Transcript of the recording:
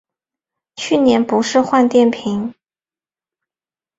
去年不是换电瓶